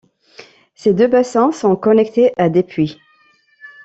Ses deux bassins sont connectés à des puits.